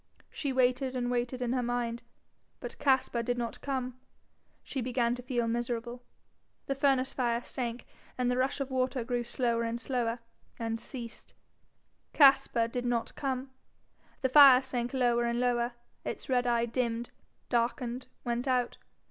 She waited and waited in her mind; but Caspar did not come. She began to feel miserable. The furnace fire sank, and the rush of the water grew slower and slower, and ceased. Caspar did not come. The fire sank lower and lower, its red eye dimmed, darkened, went out.